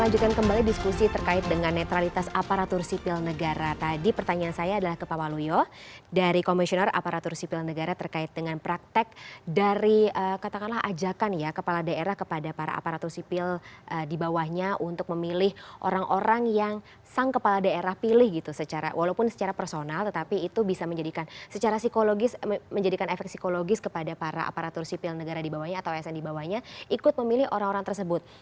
jadi katakanlah ajakan ya kepala daerah kepada para aparatur sipil di bawahnya untuk memilih orang orang yang sang kepala daerah pilih gitu secara walaupun secara personal tetapi itu bisa menjadikan secara psikologis menjadikan efek psikologis kepada para aparatur sipil negara di bawahnya atau asn di bawahnya ikut memilih orang orang tersebut